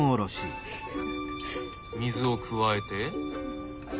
水を加えて？